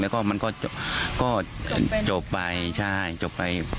แล้วก็มันก็จบไปเดือนไป